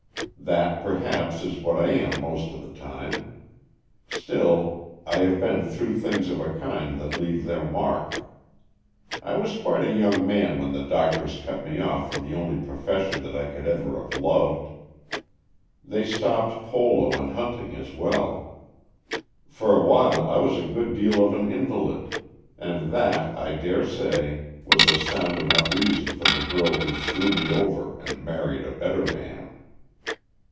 That, per haps, is what I am most of the time. Still, I have been through things of a kind that leave their mark. I was quite a young man when the doctors cut me off from the only profession that I could ever have loved. They stopped polo and hunting as well. For a while I was a good deal of an invalid, and that, I dare say, was a sound enough reason for the girl who threw me over and married a better man.